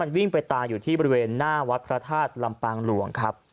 วิ่งไปตายอยู่ที่บริเวณหน้าวัดพระธาตุลำปางหลวงครับ